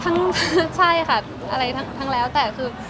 ใช่ค่ะอะไรทั้งแล้วแต่คือ